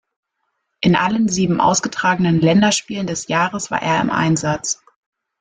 In allen sieben ausgetragenen Länderspielen des Jahres war er im Einsatz.